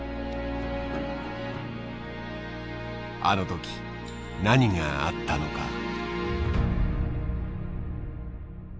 あの時何があったのか。